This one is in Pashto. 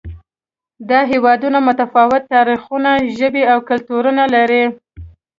دا هېوادونه متفاوت تاریخونه، ژبې او کلتورونه لري.